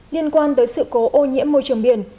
liên quan tới sự cố ô nhiễm môi trường biển